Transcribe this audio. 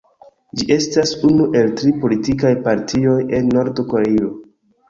Ĝi estas unu el tri politikaj partioj en Nord-Koreio.